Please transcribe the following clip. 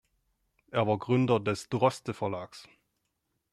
Er war Gründer des Droste Verlags.